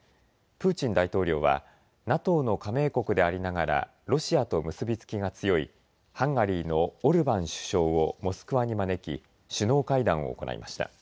プーチン大統領はＮＡＴＯの加盟国でありながらロシアと結び付きが強いハンガリーのオルバン首相をモスクワに招き首脳会談を行いました。